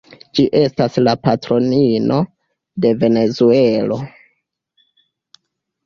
Ĝi estas la patronino de Venezuelo.